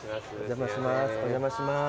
お邪魔します。